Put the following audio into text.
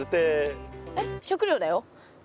えっ食料だよ。